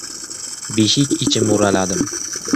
Beshik ichi mo‘raladim.